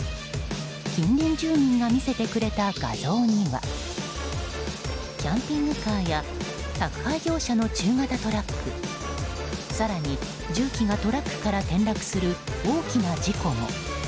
近隣住民が見せてくれた画像にはキャンピングカーや宅配業者の中型トラック更に重機がトラックから転落する大きな事故も。